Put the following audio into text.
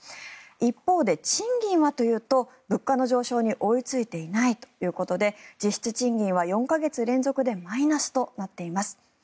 一方で賃金はというと物価の上昇に追いついていないということで実質賃金は４か月連続でマイナスとなっています。